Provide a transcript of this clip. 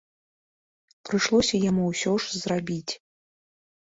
Прыйшлося яму ўсё ж зрабіць.